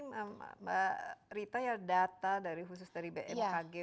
mbak rita ya data khusus dari bmkg